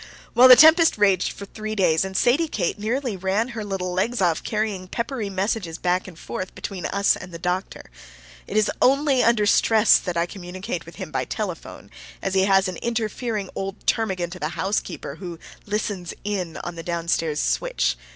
Well, the tempest raged for three days, and Sadie Kate nearly ran her little legs off carrying peppery messages back and forth between us and the doctor. It is only under stress that I communicate with him by telephone, as he has an interfering old termagant of a housekeeper who "listens in" on the down stairs switch.